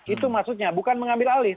itu maksudnya bukan mengambil alih